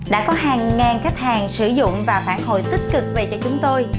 đã có hàng ngàn khách hàng sử dụng và phản hồi tích cực về cho chúng tôi